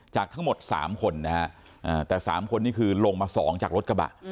จากทั้งหมดสามคนนะครับแต่สามคนนี่คือลงมาสองจากรถกระบะ